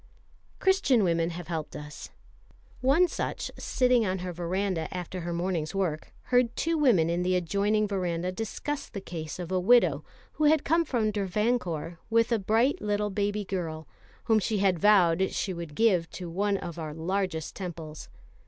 Christian women have helped us. One such, sitting on her verandah after her morning's work, heard two women in the adjoining verandah discuss the case of a widow who had come from Travancore with a bright little baby girl, whom she had vowed she would give to one of our largest temples.